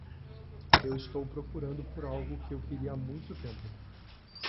Eu estou procurando por algo que eu queria há muito tempo.